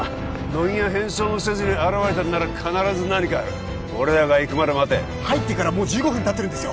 乃木が変装もせずに現れたんなら必ず何かある俺らが行くまで待て入ってからもう１５分たってるんですよ